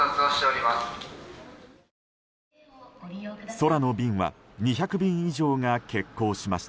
空の便は２００便以上が欠航しました。